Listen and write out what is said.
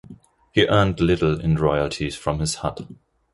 He earned little in royalties from his hut.